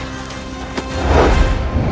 aku akan menangkapmu